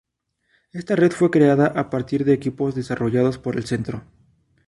Esta red fue creada a partir de equipos desarrollados por el Centro.